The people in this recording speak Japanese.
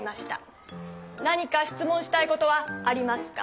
何かしつもんしたいことはありますか？